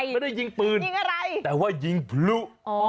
ไม่ได้ยิงปืนแต่ว่ายิงบลู้